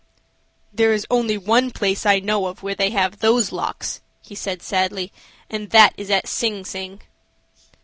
"There is only one place I know of where they have those locks," he said, sadly, "and that is at Sing Sing."